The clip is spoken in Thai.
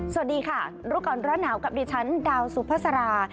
สวัสดีค่ะรู้ก่อนร้อนหนาวกับดิฉันดาวสุภาษารา